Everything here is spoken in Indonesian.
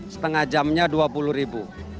setengah jamnya dua puluh ribu